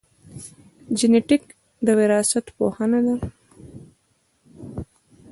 جینېټیک د وراثت پوهنه ده